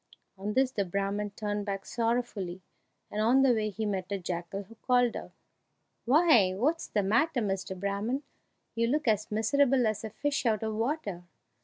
On this the Brahman turned back sorrowfully, and on the way he met a jackal, who called out, "Why, what's the matter, Mr. Brahman? You look as miserable as a fish out of water!"